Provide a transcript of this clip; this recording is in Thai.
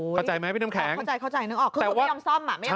เข้าใจไหมพี่น้ำแข็งเข้าใจเข้าใจนึกออกคือเขาไม่ยอมซ่อมอ่ะ